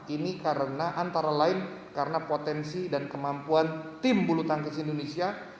ini karena antara lain karena potensi dan kemampuan tim bulu tangkis indonesia